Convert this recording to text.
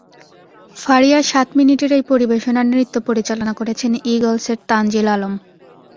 ফারিয়ার সাত মিনিটের এই পরিবেশনার নৃত্য পরিচালনা করেছেন ঈগলসের তানজিল আলম।